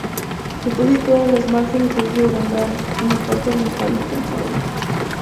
Está situada en las márgenes del río Gándara, en la parte oriental de Cantabria.